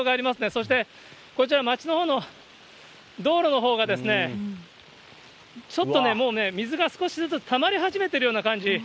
そして、こちら、町のほうの道路のほうがですね、ちょっともうね、水が少しずつたまり始めているような感じ。